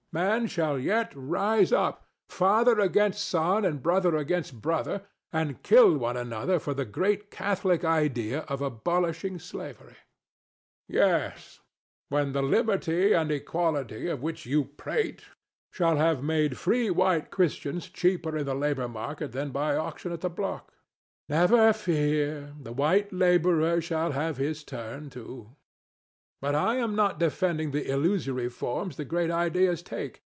Men shall yet rise up, father against son and brother against brother, and kill one another for the great Catholic idea of abolishing slavery. THE DEVIL. Yes, when the Liberty and Equality of which you prate shall have made free white Christians cheaper in the labor market than by auction at the block. DON JUAN. Never fear! the white laborer shall have his turn too. But I am not now defending the illusory forms the great ideas take.